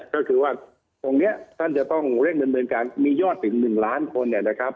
ก็คือว่าตรงนี้ท่านจะต้องเร่งดำเนินการมียอดถึง๑ล้านคนเนี่ยนะครับ